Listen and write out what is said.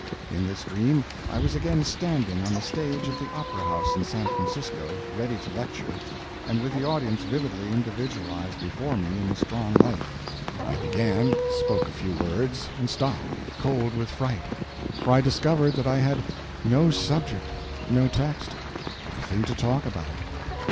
In this dream I was again standing on the stage of the Opera House in San Francisco, ready to lecture, and with the audience vividly individualized before me in the strong light. I began, spoke a few words, and stopped, cold with fright; for I discovered that I had no subject, no text, nothing to talk about.